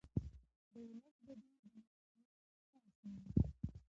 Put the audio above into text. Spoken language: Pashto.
د ولس ګډون د مشروعیت اساس دی